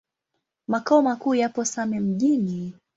Makao makuu yapo Same Mjini.